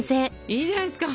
いいじゃないですか。